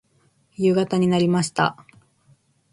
夕方になりました。